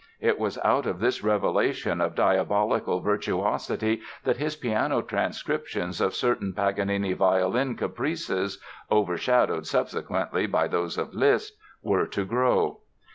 It was out of this revelation of diabolical virtuosity that his piano transcriptions of certain Paganini violin Caprices—overshadowed subsequently by those of Liszt—were to grow.